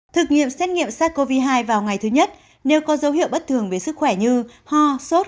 thực nghiệm xét nghiệm sars cov hai vào ngày thứ nhất nếu có dấu hiệu bất thường về sức khỏe như ho sốt